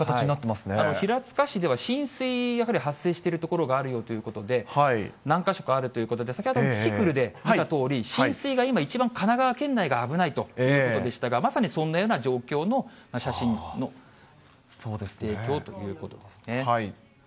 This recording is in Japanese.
あと平塚市では、浸水、やはり発生している所があるよということで、何か所かあるということで、先ほどキキクルで見たように、浸水が今、一番、神奈川県内が危ないということでしたが、まさにそんなような状況の写真の提供ということですね。